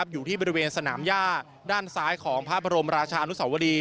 อยู่ที่บริเวณสนามย่าด้านซ้ายของพระบรมราชานุสวรี